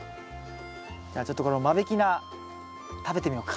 じゃあちょっとこの間引き菜食べてみようか。